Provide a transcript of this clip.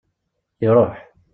Iruḥ.